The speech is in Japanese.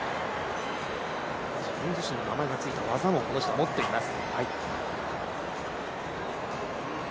自分自身の名前が付いた技も持っています。